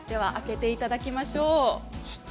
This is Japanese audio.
開けていただきましょう。